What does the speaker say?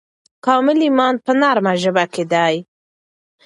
کامل ایمان په نرمه ژبه کې دی.